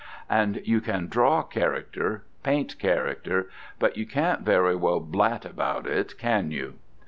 And you can draw character, paint character, but you can't very well blat about it, can you?